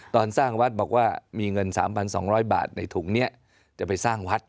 ตอนสร้างวัดบอกว่ามีเงิน๓๒๐๐บาทในถุงนี้จะไปสร้างวัด